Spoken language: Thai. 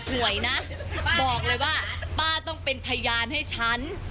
หวยนะบอกเลยว่าป้าต้องเป็นพยานให้ฉัน